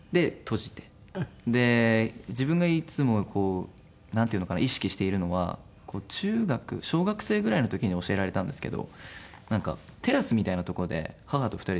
自分がいつもこうなんていうのかな意識しているのは中学小学生ぐらいの時に教えられたんですけどテラスみたいな所で母と２人で食事してたんですよ。